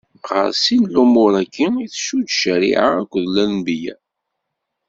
Ɣer sin n lumuṛ-agi i tcudd ccariɛa akked lenbiya.